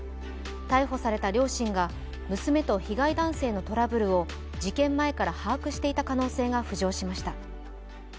逮捕された両親が娘と被害男性のトラブルを事件前から把握していた可能性が浮上しました。